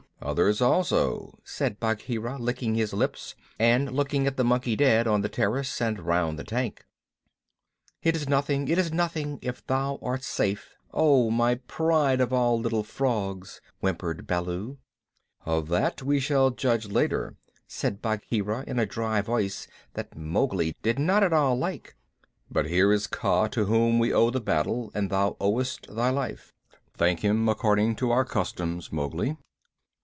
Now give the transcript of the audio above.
"Others also," said Bagheera, licking his lips and looking at the monkey dead on the terrace and round the tank. "It is nothing, it is nothing, if thou art safe, oh, my pride of all little frogs!" whimpered Baloo. "Of that we shall judge later," said Bagheera, in a dry voice that Mowgli did not at all like. "But here is Kaa to whom we owe the battle and thou owest thy life. Thank him according to our customs, Mowgli."